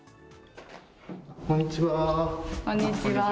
こんにちは。